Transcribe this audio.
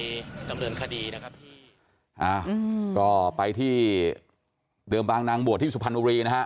ดำเนินคดีนะครับที่อ่าก็ไปที่เดิมบางนางบวชที่สุพรรณบุรีนะฮะ